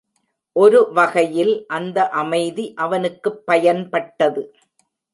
ஒரு வகையில் அந்த அமைதி அவனுக்குப் பயன்பட்டது.